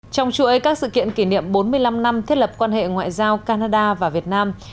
trong chuỗi các sự kiện kỷ niệm bốn mươi năm năm thiết lập quan hệ ngoại giao canada và việt nam